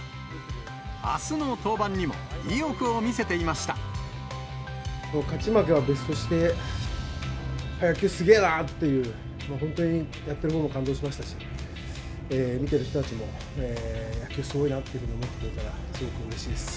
あすの登板にも意欲を見せて勝ち負けは別として、野球すげーなっていう、本当にやってるほうも感動しましたし、見てる人たちも野球すごいなっていうのを思ってくれたら、すごくうれしいです。